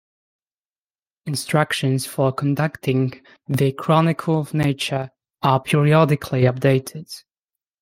Instructions for conducting the Chronicle of Nature are periodically updated.